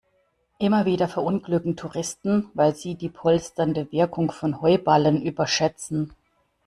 Immer wieder verunglücken Touristen, weil sie die polsternde Wirkung von Heuballen überschätzen.